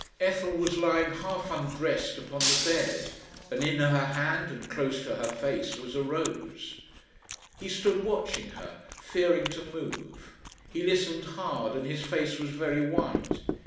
Ethel was lying half undressed upon the bed, and in her hand and close to her face was a rose. He stood watching her, fearing to move. He listened hard and his face was very white.